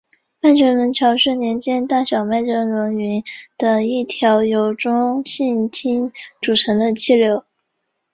麦哲伦桥是连接大小麦哲伦云的一条由中性氢组成的气流。